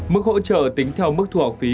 mức hỗ trợ tính theo mức thu học phí